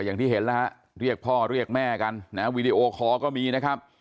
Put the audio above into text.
อย่างที่เห็นแล้วฮะเรียกพ่อเรียกแม่กันนะฮะวีดีโอคอร์ก็มีนะครับ